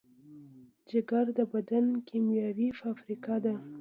جگر د بدن کیمیاوي فابریکه ده.